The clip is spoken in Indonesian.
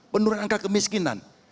menurunkan angka kemiskinan